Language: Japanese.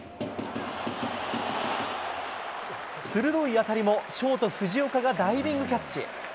鋭い当たりもショート、藤岡がダイビングキャッチ。